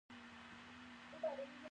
تاریخ د افغانستان د بڼوالۍ برخه ده.